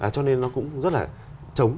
cho nên nó cũng rất là chống